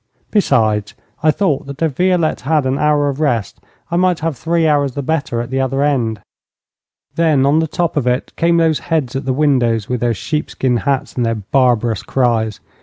Besides, I thought that if Violette had an hour of rest I might have three hours the better at the other end. Then on the top of it came those heads at the windows, with their sheepskin hats and their barbarous cries.